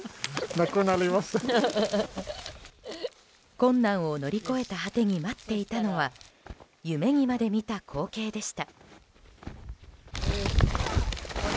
困難を乗り越えた果てに待っていたのは夢にまで見た光景でした。